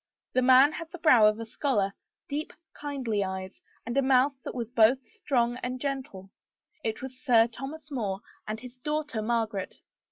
The man had the brow of a scholar, deep, kindly eyes, and a mouth that was both strong and gentle. It was Sir Thomas More and his daughter Margaret.